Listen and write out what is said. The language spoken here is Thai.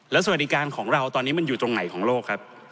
สวัสดีการของเราตอนนี้มันอยู่ตรงไหนของโลกครับ